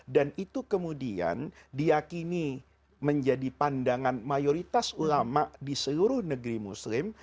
dan itu kemudian diakini menjadi pandangan mayoritas ulama di seluruh negeri muslim